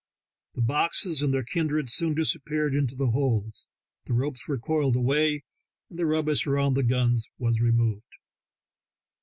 The boxes and their kindred soon disappeared into the holds, the ropes were coiled away, and the rubbish around the guns was removed.